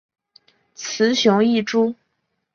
雄雌异株。